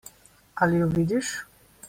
Ali jo vidiš?